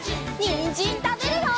にんじんたべるよ！